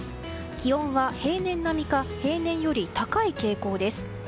気温は平年並みか平年より高い傾向です。